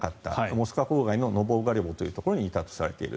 モスクワ郊外のノボオガリョボというところにいたとされる。